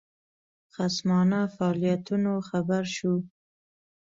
خصمانه فعالیتونو خبر شو.